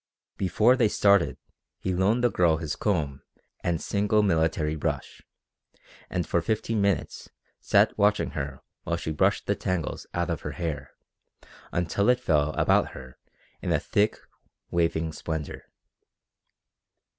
Before they started he loaned the girl his comb and single military brush, and for fifteen minutes sat watching her while she brushed the tangles out of her hair until it fell about her in a thick, waving splendour.